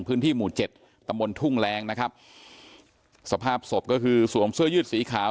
พื้นที่หมู่เจ็ดตำบลทุ่งแรงนะครับสภาพศพก็คือสวมเสื้อยืดสีขาว